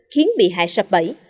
khiến bị hại sập bẫy